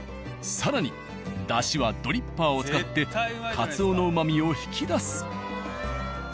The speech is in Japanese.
更にだしはドリッパーを使ってかつおの旨味を引き出す。